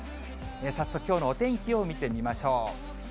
早速、きょうのお天気を見てみましょう。